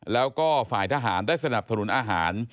แล้วก็ฝ่ายทหารได้สนับสนุนอาหาร